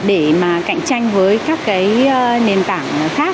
để mà cạnh tranh với các cái nền tảng khác